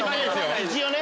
一応ね。